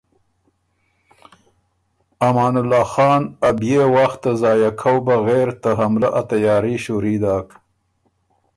امان الله خان ا بيې وخت ته ضائع کؤ بغېر ته حملۀ ا تیاري شُوري داک۔